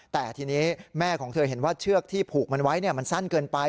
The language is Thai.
แต่ทีนี้แม่ของเธอเห็นว่าเชือกที่ผูกมันไว้มันสั้นเกินไป